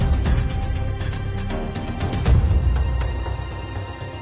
สุดท้ายสุดท้ายสุดท้ายสุดท้ายสุดท้าย